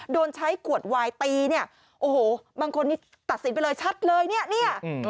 โดนใช้ขวดวายตีเนี่ยโอ้โหบางคนนี้ตัดสินไปเลยชัดเลยเนี่ย